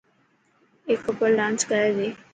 اي ڪپل ڊانس ڪري تي.